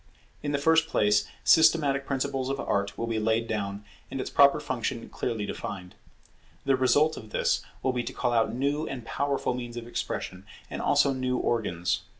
In the first place systematic principles of Art will be laid down, and its proper function clearly defined. The result of this will be to call out new and powerful means of expression, and also new organs.